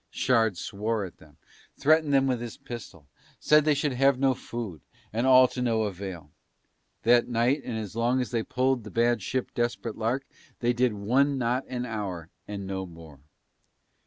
Shard swore at them, threatened them with his pistol, said they should have no food, and all to no avail: that night and as long as they pulled the bad ship Desperate Lark they did one knot an hour and no more.